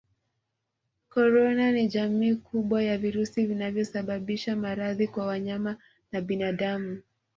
ïCorona ni jamii kubwa ya virusi vinavyosababisha maradhi kwa wanyama na binadamu